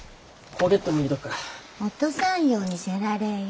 落とさんようにせられえよ。